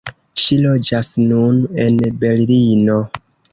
Ŝi loĝas nun en Berlino.